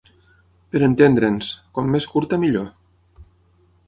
Per entendre'ns, com més curta millor.